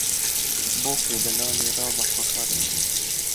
Bûkê delalê rabe xwe kar bike